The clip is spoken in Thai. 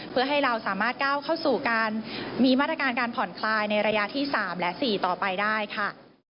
เพื่อให้เราสามารถก้าวเข้าสู่การมีมาตรการการผ่อนคลายในระยะที่๓และ๔ต่อไปได้ค่ะ